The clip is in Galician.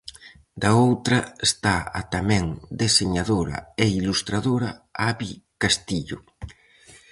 Da outra está a tamén deseñadora e ilustradora, Abi Castillo.